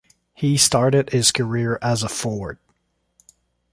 He started his career as a forward.